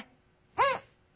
うん！